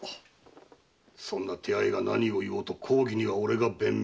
そんな手合いが何を言おうと公儀には俺が弁明する。